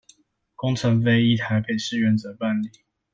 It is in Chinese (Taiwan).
工程費依臺北市原則辦理